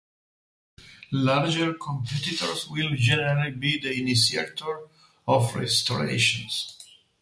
Larger competitors will generally be the initiator of restorations.